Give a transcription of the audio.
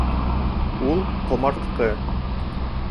Ул... ҡомартҡы!